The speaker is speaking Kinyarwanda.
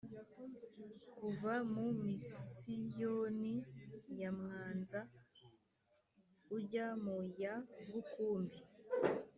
kuva mu misiyoni ya mwanza ujya mu ya bukumbi,